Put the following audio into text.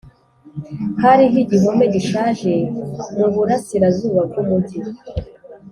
hariho igihome gishaje muburasirazuba bwumujyi.